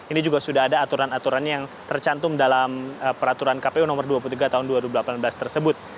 ini juga sudah ada aturan aturan yang tercantum dalam peraturan kpu nomor dua puluh tiga tahun dua ribu delapan belas tersebut